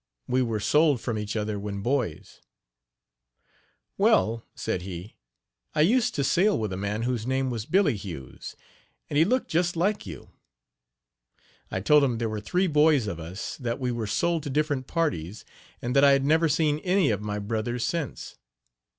We were sold from each other when boys, "Well," said he, "I used to sail with a man whose name was Billy Hughes, and he looked just like you." I told him there were three boys of us; that we were sold to different parties, and that I had never seen either of my brothers since.